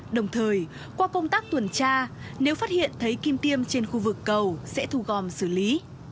đồng thời qua công tác tuần tra nếu phát hiện thấy kim tiêm trên khu vực cầu sẽ thu gom xử lý